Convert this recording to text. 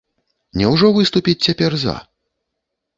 Няўжо выступіць цяпер за?